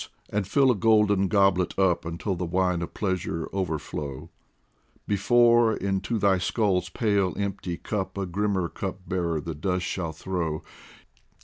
and fill a golden goblet up Until the wine of pleasure overflow, Before into thy skull's pale empty cup A grimmer Cup bearer the dust shall throw.